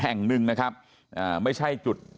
แล้วผมเป็นเพื่อนกับพระนกแต่ผมก็ไม่เคยช่วยเหลือเสียแป้ง